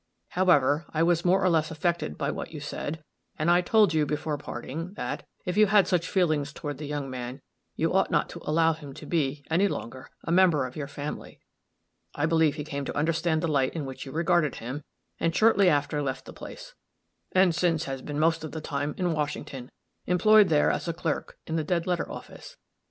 However, I was more or less affected by what you said, and I told you, before parting, that, if you had such feelings toward the young man, you ought not to allow him to be, any longer, a member of your family. I believe he came to understand the light in which you regarded him, and shortly after left the place, and since has been most of the time, in Washington, employed there as a clerk in the dead letter office.